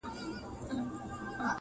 که نه څنګه دي زده کړې دا خبري٫